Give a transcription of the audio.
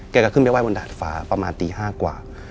แกก็ขึ้นไปไห้บนดาดฟ้าประมาณตี๕กว่า